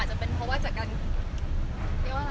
ไม่ใช่นี่คือบ้านของคนที่เคยดื่มอยู่หรือเปล่า